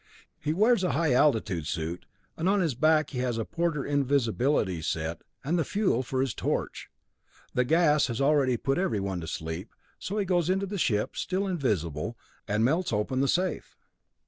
He wears a high altitude suit, and on his back he has a portable invisibility set and the fuel for his torch. The gas has already put everyone to sleep, so he goes into the ship, still invisible, and melts open the safe.